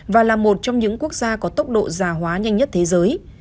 và là một trong những quốc gia có tốc độ già hóa nhanh nhất thế giới